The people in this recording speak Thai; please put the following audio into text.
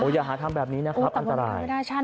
อย่าหาทำแบบนี้นะครับอันตราย